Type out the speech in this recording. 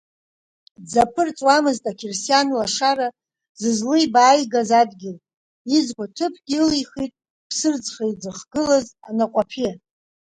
Дзаԥырҵуамызт ақьырсиан лашара зызлыбааигаз адгьыл, изқәа ҭыԥгьы ылихит Ԥсырӡха иӡыхгылаз Анаҟәаԥиа.